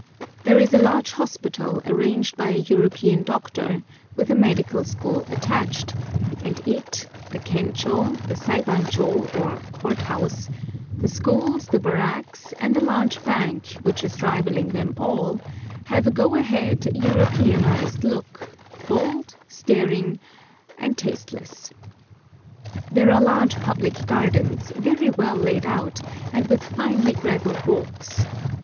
There is a large hospital {115b} arranged by a European doctor, with a medical school attached, and it, the Kenchô, the Saibanchô, or Court House, the schools, the barracks, and a large bank, which is rivalling them all, have a go ahead, Europeanised look, bold, staring, and tasteless. There are large public gardens, very well laid out, and with finely gravelled walks.